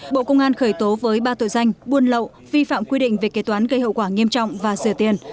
bộ công an khởi tố với ba tội danh buôn lậu vi phạm quy định về kế toán gây hậu quả nghiêm trọng và sửa tiền